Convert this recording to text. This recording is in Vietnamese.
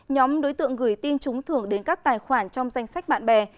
nhóm đối tượng gửi tin trúng thưởng đến các tài khoản trong danh sách bạn bè